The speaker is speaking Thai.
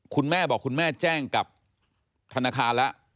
คุณแม่บอกคุณแม่แจ้งกับธนาคารแล้ว